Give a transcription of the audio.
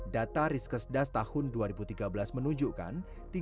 data risk sedas tahun dua ribu tiga belas menunjukkan